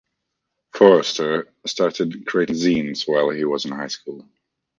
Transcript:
Foerster started creating ‘zines while he was in high school.